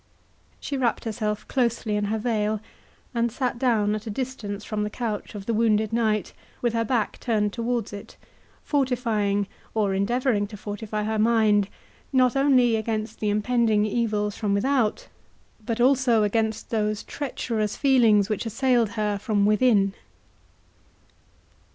She wrapped herself closely in her veil, and sat down at a distance from the couch of the wounded knight, with her back turned towards it, fortifying, or endeavouring to fortify her mind, not only against the impending evils from without, but also against those treacherous feelings which assailed her from within.